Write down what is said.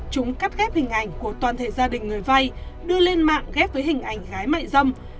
chúng cắt ghép hình ảnh của toàn thể gia đình người vay đưa lên mạng ghép với hình ảnh gái mại dâm